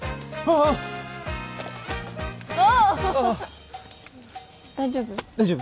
ああ大丈夫？